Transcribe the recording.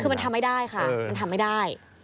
คือมันทำไม่ได้ค่ะมันทำไม่ได้